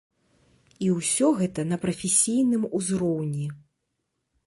І ўсё гэта на прафесійным узроўні.